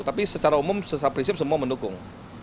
tapi secara umum secara prinsip semua mendukung